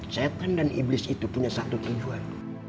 cepan dan iblis itu punya satu tujuan